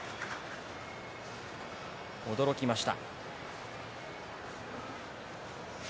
驚きました。